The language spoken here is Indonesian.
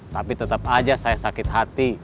tapi tetap aja saya sakit hati